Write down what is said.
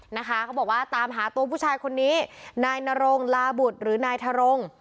นะคะเขาบอกว่าตามหาตัวผู้ชายคนนี้นายนรงลาบุตรหรือนายทง